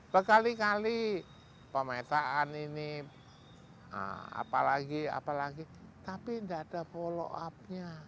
berkali kali pemetaan ini apalagi apalagi tapi tidak ada follow up nya